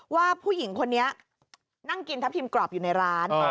ว่าผู้หญิงคนนี้นั่งกินทับทิมกรอบอยู่ในร้าน